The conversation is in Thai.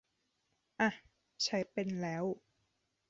อ่ะ ใช้เป็นแล้ว